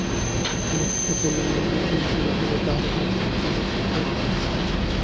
সমস্ত পল্লীর মধ্যে এই গিরিবালাই তাহার একমাত্র সমজদার বন্ধু।